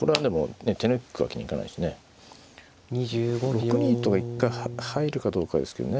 ６二とが一回入るかどうかですけどね。